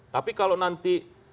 tapi kalau nanti